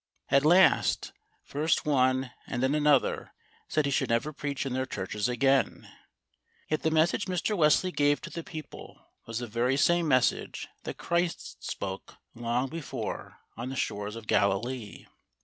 At last, first one and then another said he should never preach in their churches again. Yet the message Mr. Wesley gave to the people, was the very same message that Christ spoke long before on the shores of Galilee.